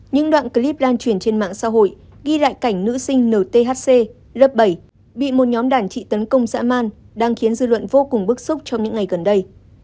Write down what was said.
những đoạn clip lan truyền trên mạng xã hội ghi lại cảnh nữ sinh nthc lớp bảy bị một nhóm đàn trị tấn công dã man đang khiến dư luận vô cùng bức xúc trong những ngày gần đây